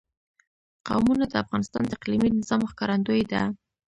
قومونه د افغانستان د اقلیمي نظام ښکارندوی ده.